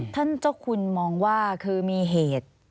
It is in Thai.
ท่านเจ้าคุณมองว่าคือมีเหตุ